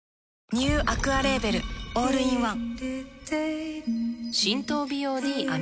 ニューアクアレーベルオールインワン